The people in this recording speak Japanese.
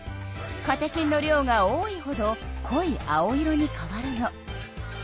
カテキンの量が多いほどこい青色に変わるの。